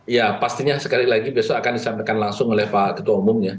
ya pastinya sekali lagi besok akan disampaikan langsung oleh pak ketua umum ya